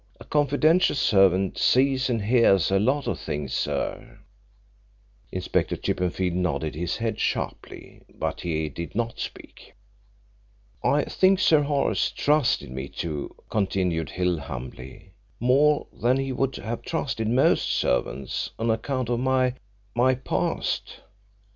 A confidential servant sees and hears a lot of things, sir." Inspector Chippenfield nodded his head sharply, but he did not speak. "I think Sir Horace trusted me, too," continued Hill humbly, "more than he would have trusted most servants, on account of my my past.